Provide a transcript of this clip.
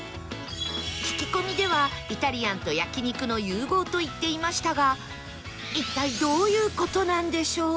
聞き込みでは「イタリアンと焼肉の融合」と言っていましたが一体どういう事なんでしょう？